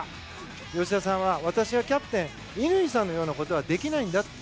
吉田さんは、私はキャプテン乾さんのようなことはできないんだ。